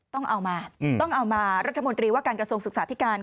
ต้องเอามาต้องเอามารัฐบนธรรมทรีวะการกระทรงศึกษาที่การ